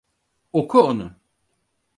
Oku onu.